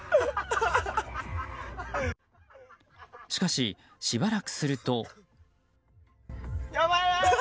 しかし、しばらくすると。